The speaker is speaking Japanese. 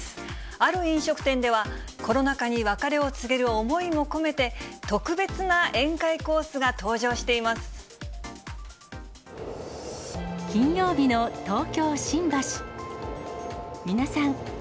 ある飲食店では、コロナ禍に別れを告げる思いも込めて、特別な宴会コースが登場し金曜日の東京・新橋。